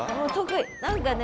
何かね